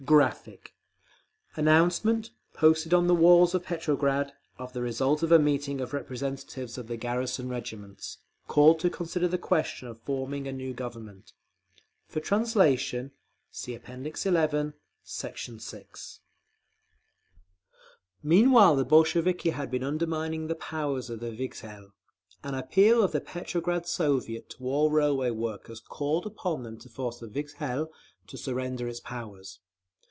[Graphic, page 276: Meeting announcement] Announcement, posted on the walls of Petrograd, of the result of a meeting of representatives of the garrison regiments, called to consider the question of forming a new Government. For translation see App. XI, Sect. 6. Meanwhile the Bolsheviki had been undermining the power of the Vikzhel. An appeal of the Petrograd Soviet to all railway workers called upon them to force the Vikzhel to surrender its powers.